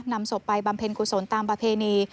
นำศพไปบำเพ็ญกุศลตามประเพณี